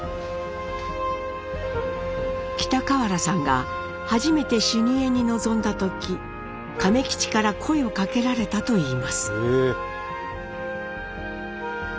北河原さんが初めて修二会に臨んだ時亀吉から声をかけられたといいます。